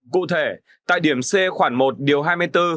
cụ thể tại điểm c khoảng một điều hai mươi bốn